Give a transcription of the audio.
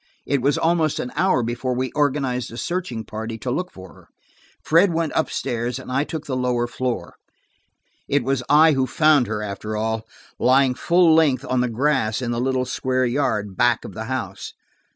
It was almost an hour before we organized a searching party to look for her. Fred went up stairs, and I took the lower floor. It was I who found her, after all, lying full length on the grass in the little square yard back of the house.